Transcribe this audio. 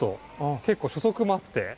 結構、初速もあって。